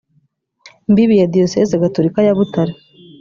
mbibi ya diyosezi gatolika ya butare